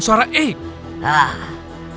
buka mata tuhan